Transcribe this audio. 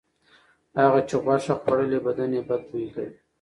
هغه چې غوښه خوړلې بدن یې بد بوی لري.